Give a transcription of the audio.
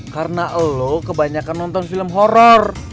karena elu kebanyakan nonton film horror